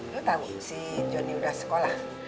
lu tau si jonny udah sekolah